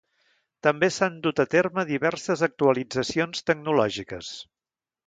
També s'han dut a terme diverses actualitzacions tecnològiques.